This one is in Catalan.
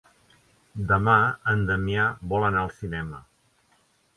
Demà en Damià vol anar al cinema.